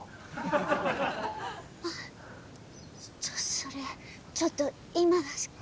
それちょっと今は。